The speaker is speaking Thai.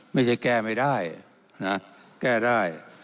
ไม่ใช่แก้ไม่ได้นะแก้ได้